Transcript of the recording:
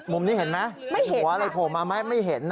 มุมนี้เห็นไหมหัวอะไรโผล่มาไหมไม่เห็น